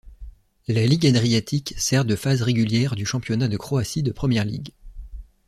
La Ligue adriatique sert de phase régulière du championnat de Croatie de première ligue.